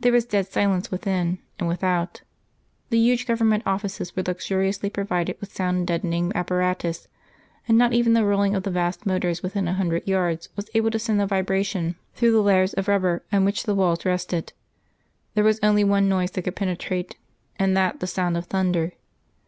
There was dead silence within and without: the huge Government offices were luxuriously provided with sound deadening apparatus, and not even the rolling of the vast motors within a hundred yards was able to send a vibration through the layers of rubber on which the walls rested. There was only one noise that could penetrate, and that the sound of thunder.